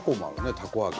たこ揚げ。